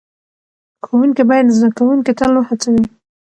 ښوونکي باید زده کوونکي تل وهڅوي.